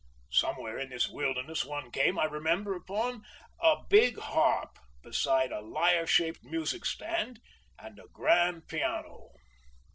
Somewhere in this wilderness one came, I remember, upon—a big harp beside a lyre shaped music stand, and a grand piano....